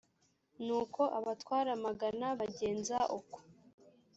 nuko abatware amagana bagenza uko.